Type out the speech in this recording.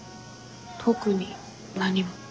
特に何も。